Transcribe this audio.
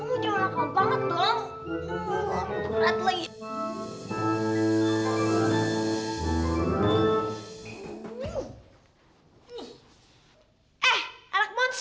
ih kamu cuma lakau banget dong